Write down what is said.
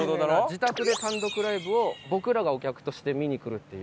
自宅で単独ライブを僕らがお客として見に来るっていう。